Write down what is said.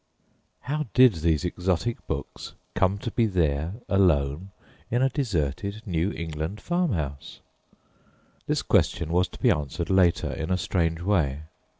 How did these exotic books come to be there alone in a deserted New England farm house? This question was to be answered later in a strange way.